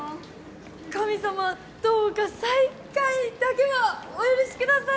神様どうか最下位だけはお許しください！